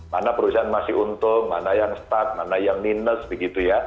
mana perusahaan masih untung mana yang stuck mana yang minus begitu ya